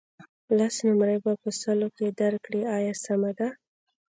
لس نمرې به په سلو کې درکړم آیا سمه ده.